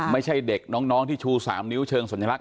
ไม่ใช่เด็กน้องที่ชู๓นิ้วเชิงสัญลักษ